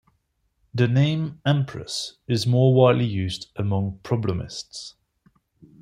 The name empress is more widely used among problemists.